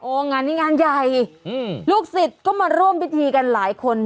งานนี้งานใหญ่อืมลูกศิษย์ก็มาร่วมพิธีกันหลายคน